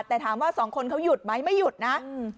แต่ถามว่า๒คนเขาหยุดมั้ยไม่หยุดนะ